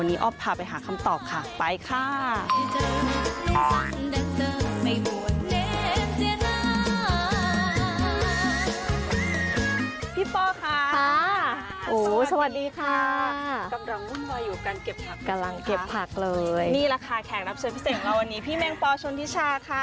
นี่แหละค่ะแขกนับเชิญพิเศษของเราวันนี้พี่แมงป่อชนธิชาค่ะ